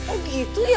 oh gitu ya